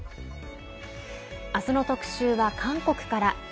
明日の特集は韓国から。